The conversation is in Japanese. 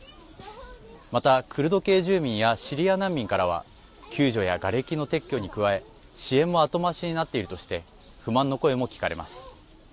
また、クルド系住民やシリア難民からは救助やがれきの撤去に加え支援も後回しになっているとして不満の声も聞かれます。